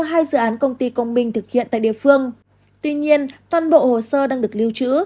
hai dự án công ty công minh thực hiện tại địa phương tuy nhiên toàn bộ hồ sơ đang được lưu trữ